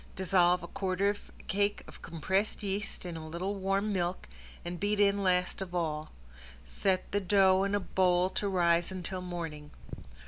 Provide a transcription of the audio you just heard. Dissolve a quarter of a cake of compressed yeast in a little warm milk and beat in last of all. Set the dough in a bowl to rise until morning.